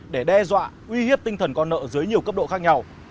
để đe dọa uy hiếp tinh thần con nợ dưới nhiều cấp độ khác nhau